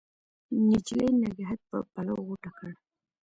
نجلۍ نګهت په پلو غوټه کړ